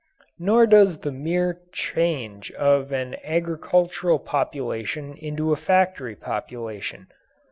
Nor does the mere change of an agricultural population into a factory population.